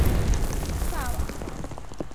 他还占领了西南方的阿尔萨瓦。